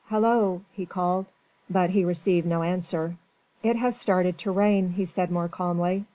"Hallo!" he called. But he received no answer. "It has started to rain," he said more calmly.